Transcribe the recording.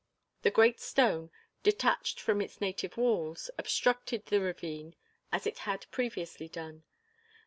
The great stone, detached from its native walls, obstructed the ravine as it had previously done.